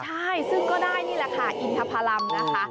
ใช่ซึ่งก็ได้นี่แหละค่ะอินทพรรมนะคะ